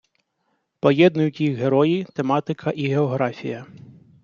Поєднують їх герої, тематика і географія.